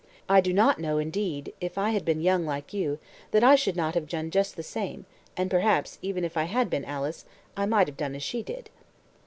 I do not know, indeed, if I had been young like you, that I should not have done just the same; and perhaps, even if I had been Alice, I might have done as she did."